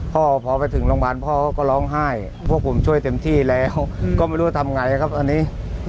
พ่อพอไปถึงโรงพยาบาลพ่อก็ร้องไห้พวกผมช่วยเต็มที่แล้วก็ไม่รู้ทำไงครับอันนี้